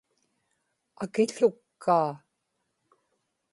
akił̣ukkaa